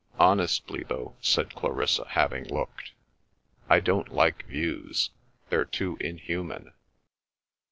"Honestly, though," said Clarissa, having looked, "I don't like views. They're too inhuman."